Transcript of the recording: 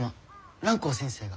蘭光先生が。